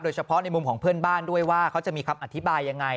เฉพาะในมุมของเพื่อนบ้านด้วยว่าเขาจะมีคำอธิบายยังไง